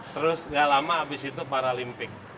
terus nggak lama abis itu paralimpik